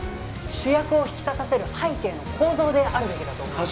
主役を引き立たせる背景の構造であるべきだと思います